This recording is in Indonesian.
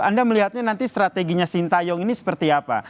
anda melihatnya nanti strateginya sintayong ini seperti apa